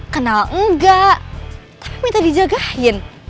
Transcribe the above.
kenal enggak minta dijagain